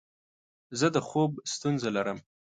زه د خوب ستونزه لرم.